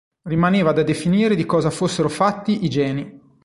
Rimaneva da definire di cosa fossero fatti i geni.